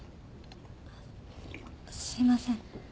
すいません。